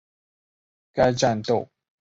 该战斗发生地点则是在中国赣南一带。